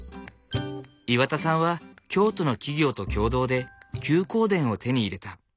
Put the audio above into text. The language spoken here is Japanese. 岩田さんは京都の企業と共同で休耕田を手に入れた。